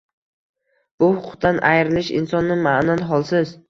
Bu huquqdan ayrilish insonni ma’nan holsiz